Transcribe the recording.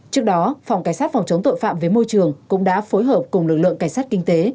trước đó phòng cảnh sát phòng chống tội phạm với môi trường cũng đã phối hợp cùng lực lượng cảnh sát kinh tế